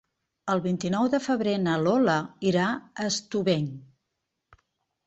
El vint-i-nou de febrer na Lola irà a Estubeny.